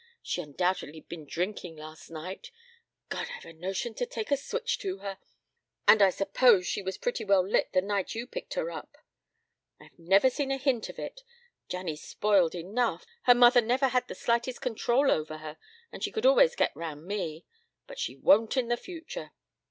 She'd undoubtedly been drinking last night God! I've a notion to take a switch to her. And I suppose she was pretty well lit the night you picked her up. I've never seen a hint of it. Janny's spoilt enough. Her mother never had the slightest control over her and she could always get round me. But she won't in the future.